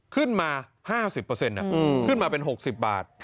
ขึ้นมา๕๐เปอร์เซ็นต์ขึ้นมาเป็น๖๐บาท